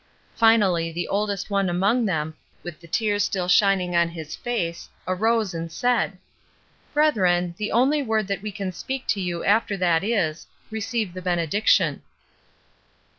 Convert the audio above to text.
Finally the oldest one among them with the tears still shining on his face arose and said: — "Brethren, the only word that we can speak to you after that is, Receive the benediction."